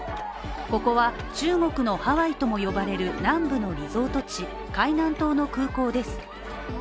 ここは中国のハワイとも呼ばれる南部のリゾート地海南島の空港です。